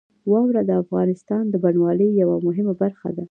واوره د افغانستان د بڼوالۍ یوه مهمه برخه ده.